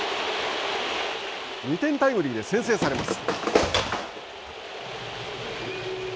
２点タイムリーで先制されます。